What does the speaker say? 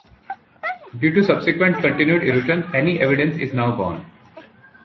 Due to subsequent continued erosion, any evidence is now gone.